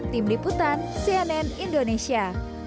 tim liputan cnn indonesia